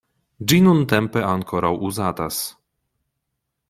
Ĝi nuntempe ankoraŭ uzatas.